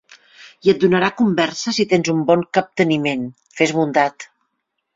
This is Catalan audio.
I et donarà conversa si tens un bon capteniment. Fes bondat.